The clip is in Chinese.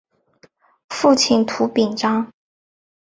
父亲涂秉彰。